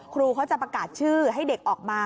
ครูเขาจะประกาศชื่อให้เด็กออกมา